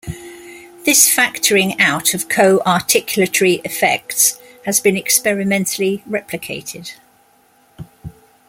This factoring out of coarticulatory effects has been experimentally replicated.